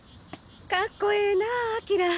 かっこええなあ翔。